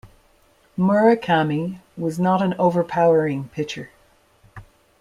Murakami was not an overpowering pitcher.